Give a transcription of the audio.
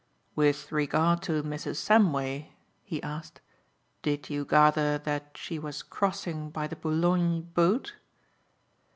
"With regard to Mrs. Samway," he asked, "did you gather that she was crossing by the Boulogne boat?"